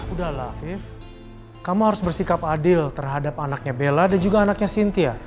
udahlah five kamu harus bersikap adil terhadap anaknya bella dan juga anaknya sintia